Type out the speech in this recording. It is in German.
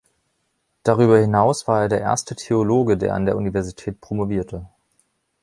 Darüber hinaus war er der erste Theologe, der an der Universität promovierte.